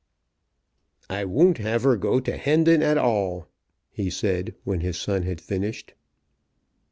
"I won't have her go to Hendon at all," he said, when his son had finished.